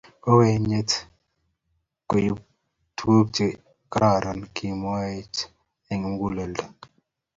Kokenyet koibu tuguk che kororon kimwochkei eng muguleldo